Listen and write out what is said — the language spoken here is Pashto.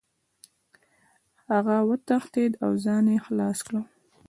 هغه وتښتېد او ځان یې خلاص کړ.